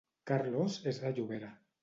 Carlos és de Llobera